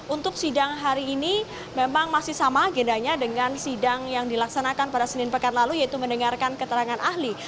untuk sidang hari ini memang masih sama agendanya dengan sidang yang dilaksanakan pada senin pekan lalu yaitu mendengarkan keterangan ahli